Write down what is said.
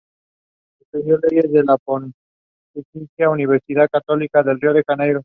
Estudió leyes en la Pontificia Universidad Católica de Río de Janeiro.